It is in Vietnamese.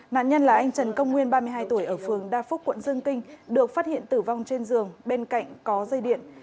nạn nhân là anh trần công nguyên ba mươi hai tuổi ở phường đa phúc quận dương kinh được phát hiện tử vong trên giường bên cạnh có dây điện